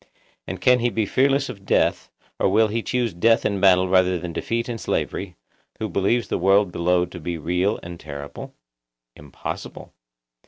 And can he be fearless of death, or will he choose death in battle rather than defeat and slavery, who believes the world below to be real and terrible? Impossible.